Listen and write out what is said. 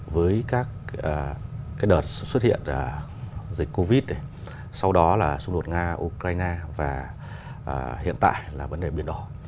với các đợt xuất hiện dịch covid sau đó là xung đột nga ukraine và hiện tại là vấn đề biển đỏ